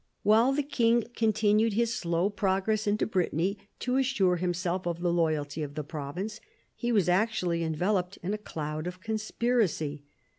While the King continued his slow progress into Brittany to assure himself of the loyalty of the province, he was actually enveloped in a cloud of conspiracy.